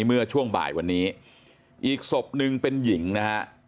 เมื่อช่วงบ่ายวันนี้อีกศพหนึ่งเป็นหญิงนะฮะ